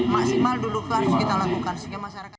maksimal dulu itu harus kita lakukan